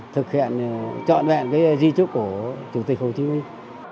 thực hiện trọn vẹn di trúc của chủ tịch hồ chí minh